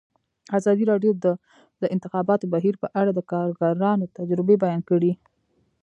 ازادي راډیو د د انتخاباتو بهیر په اړه د کارګرانو تجربې بیان کړي.